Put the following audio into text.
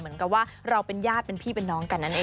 เหมือนกับว่าเราเป็นญาติเป็นพี่เป็นน้องกันนั่นเอง